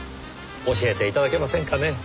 教えて頂けませんかね。